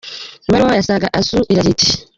Ibaruwa ya Saga Assou iragira iti:.